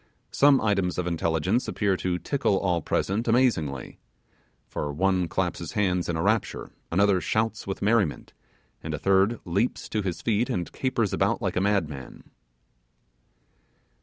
Some items intelligence appear to tickle all present amazingly; for one claps his hands in a rapture; another shouts with merriment; and a third leaps to his feet and capers about like a madman.